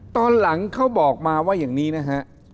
ตอนหลังเขาบอกมาว่าอย่างนี้นะฮะ